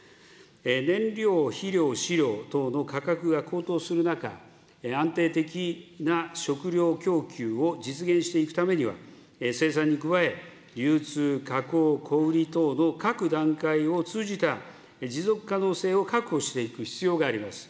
燃料、肥料、飼料等の価格が高騰する中、安定的な食料供給を実現していくためには、生産に加え、流通、加工、小売り等の各段階を通じた、持続可能性を確保していく必要があります。